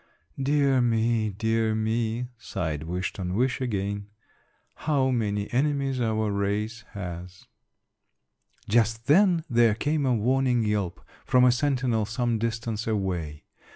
"Dear me, dear me," sighed Wish ton wish again, "how many enemies our race has!" Just then there came a warning yelp from a sentinel some distance away.